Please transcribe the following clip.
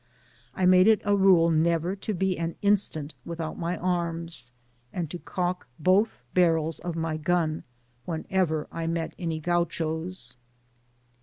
I made it a rule never to be an instant without my arms, and to cock both barrels of my gun whenever I met any Gauchos.